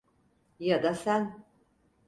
Ya da sen.